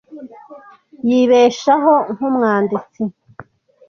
Yibeshaho nkumwanditsi.